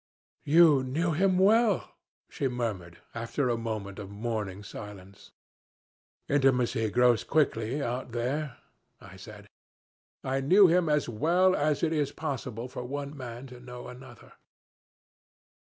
... 'You knew him well,' she murmured, after a moment of mourning silence. "'Intimacy grows quick out there,' I said. 'I knew him as well as it is possible for one man to know another.'